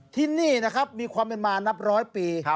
ที่นี่นะครับมีความเป็นมานับร้อยปี